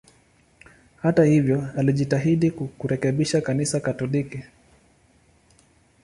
Hata hivyo, alijitahidi kurekebisha Kanisa Katoliki.